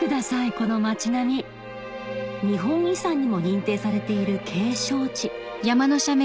この町並み日本遺産にも認定されている景勝地